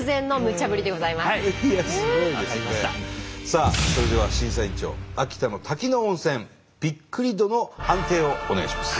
さあそれでは審査員長秋田の滝の温泉びっくり度の判定をお願いします。